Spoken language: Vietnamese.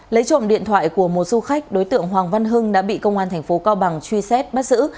lấy trộm điện thoại của một du khách đối tượng hoàng văn hưng đã bị công an tp hcm truy xét bắt giữ